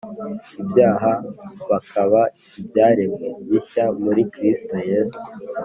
Ibyaha bakaba ibyaremwe bishya muri kristo yesu